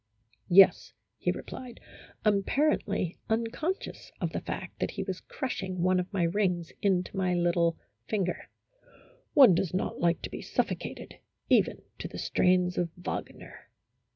" Yes," he replied, apparently unconscious of the fact that he was crushing one of my rings into my little finger, "one does not like to be suffocated, even to the strains of Wagner."